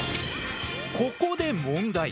ここで問題。